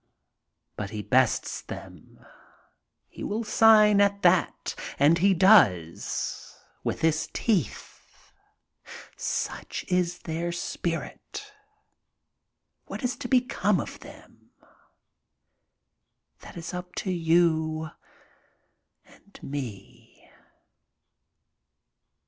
But he bests them. He will sign at that. And he does. With his teeth. Such is their spirit. What is to become of them? That is up to you and me.